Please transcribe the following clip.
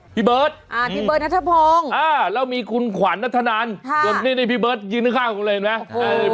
พี่เบิร์ดอ่าแล้วมีคุณขวัญนัฐนานี่พี่เบิร์ดยืนข้างคุณเลยเห็นไหม